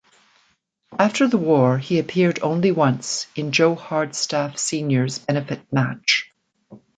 After the war he appeared only once, in Joe Hardstaff senior's benefit match.